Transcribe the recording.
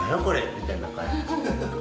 みたいな感じ。